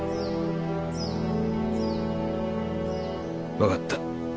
分かった。